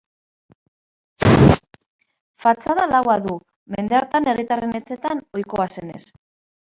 Fatxada laua du, mende hartan herritarren etxeetan ohikoa zenez.